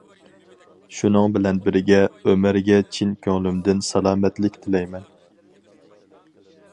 شۇنىڭ بىلەن بىرگە، ئۆمەرگە چىن كۆڭلۈمدىن سالامەتلىك تىلەيمەن.